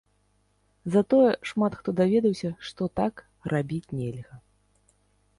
Затое шмат хто даведаўся, што так рабіць нельга.